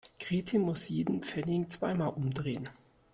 Grete muss jeden Pfennig zweimal umdrehen.